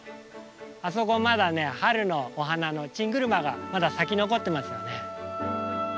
あそこまだ春のお花のチングルマがまだ咲き残ってますよね。